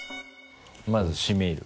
まず閉める。